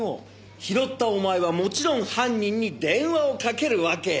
拾ったお前はもちろん犯人に電話をかけるわけよ。